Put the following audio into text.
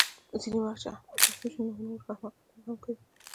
ځینې وخت چې احمق تشویق شي نو نور حماقتونه هم کوي